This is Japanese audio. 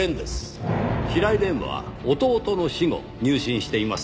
平井蓮は弟の死後入信しています。